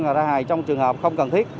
và ra hài trong trường hợp không cần thiết